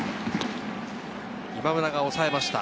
今村が抑えました。